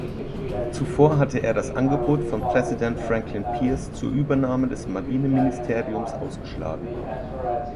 Zuvor hatte er das Angebot von Präsident Franklin Pierce zur Übernahme des Marineministeriums ausgeschlagen.